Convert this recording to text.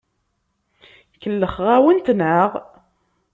Kellxeɣ-awent, naɣ?